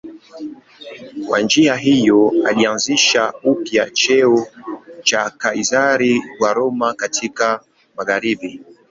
Kwa njia hiyo alianzisha upya cheo cha Kaizari wa Roma katika magharibi.